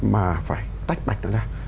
mà phải tách bạch nó ra